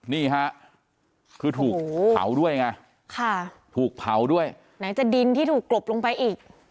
นี่ฮะคือถูกเผาด้วยไงค่ะถูกเผาด้วยไหนจะดินที่ถูกกลบลงไปอีก